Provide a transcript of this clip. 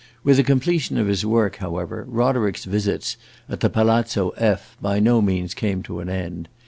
With the completion of his work, however, Roderick's visits at the Palazzo F by no means came to an end.